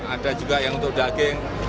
ada juga yang untuk daging